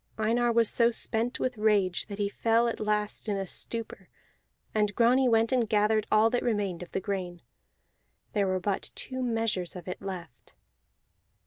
Einar was so spent with rage that he fell at last in a stupor; and Grani went and gathered all that remained of the grain. There were but two measures of it left.